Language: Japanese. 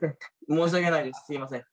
申し訳ないですすいません。